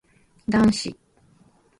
男子